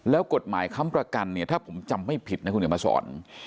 แล้วกฎหมายค้ำประกันเนี่ยถ้าผมจำไม่ผิดนะคุณเดี๋ยวมาสอน